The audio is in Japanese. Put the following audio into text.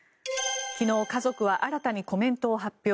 昨日、家族は新たにコメントを発表。